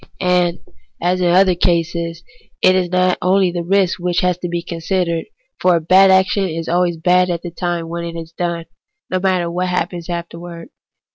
185 And, as in other such cases, it is not the risk only which has to be considered ; for a bad action is always bad at the time when it is done, no matter what happens afterwards.